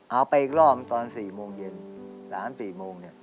เอาไปอีกรอบตอน๔โมงเย็น๓๔โมง